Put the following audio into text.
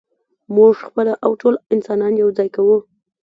موږ خپله او ټول انسانان یو ځای کوو.